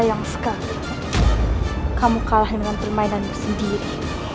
sayang sekali kamu kalah dengan permainanmu sendiri